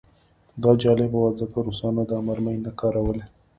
دا جالبه وه ځکه روسانو دا مرمۍ نه کارولې